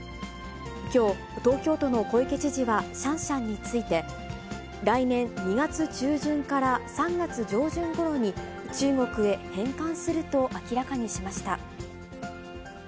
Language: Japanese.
きょう、東京都の小池知事はシャンシャンについて、来年２月中旬から３月上旬ごろに、中国へ返還すると明らかにしました。